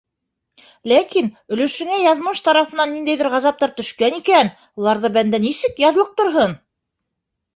Ләкин, өлөшөңә яҙмыш тарафынан ниндәйҙер ғазаптар төшкән икән, уларҙы бәндә нисек яҙлыҡтырһын?!